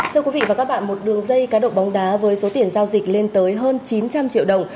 thưa quý vị và các bạn một đường dây cá độ bóng đá với số tiền giao dịch lên tới hơn chín trăm linh triệu đồng